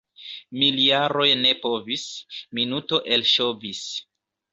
Miljaroj ne povis — minuto elŝovis.